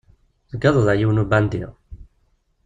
Tugadeḍ a yiwen ubandi!